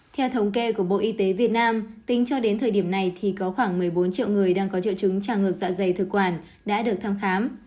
theo thống kê của bộ y tế việt nam tính cho đến thời điểm này thì có khoảng một mươi bốn triệu người đang có triệu chứng tràn ngược dạ dày thực quản đã được thăm khám